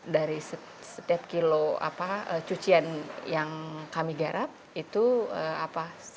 dari setiap kilo cucian yang kami garap itu seribu rupiah untuk tukang cuci